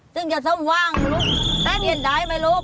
ซึ่งจะทรงวังแต่เปลี่ยนได้ไหมลูก